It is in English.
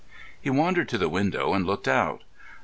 He wandered to the window and looked out.